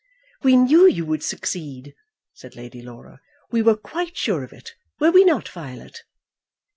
"We knew you would succeed," said Lady Laura. "We were quite sure of it. Were we not, Violet?"